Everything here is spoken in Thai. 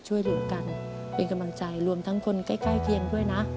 ช่วยเหลือกันเป็นกำลังใจรวมทั้งคนใกล้เคียงด้วยนะ